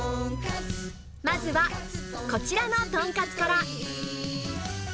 まずは、こちらのとんかつから。